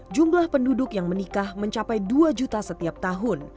jumlah penduduk yang menikah mencapai dua juta setiap tahun